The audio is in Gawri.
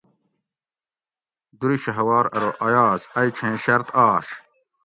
دُرشھوار ارو ایاز ائ چھیں شرط آش